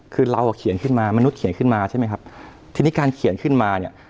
คือเราอ่ะเขียนขึ้นมามนุษย์เขียนขึ้นมาใช่ไหมครับทีนี้การเขียนขึ้นมาเนี่ย